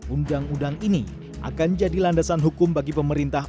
undang undang ini akan jadi landasan hukum bagi pemerintah